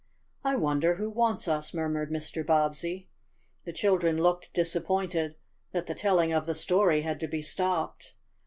"I wonder who wants us?" murmured Mr. Bobbsey. The children looked disappointed that the telling of the story had to be stopped.